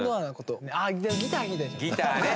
ギターね